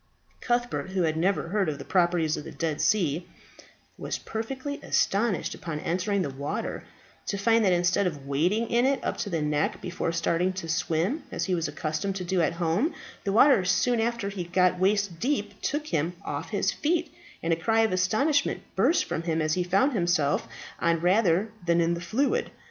Cuthbert, who had never heard of the properties of the Dead Sea, was perfectly astonished upon entering the water to find that instead of wading in it up to the neck before starting to swim, as he was accustomed to do at home, the water soon after he got waist deep took him off his feet, and a cry of astonishment burst from him as he found himself on rather than in the fluid.